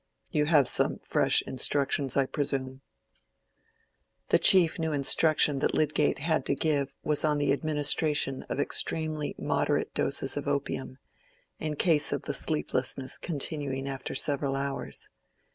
You have some fresh instructions, I presume." The chief new instruction that Lydgate had to give was on the administration of extremely moderate doses of opium, in case of the sleeplessness continuing after several hours.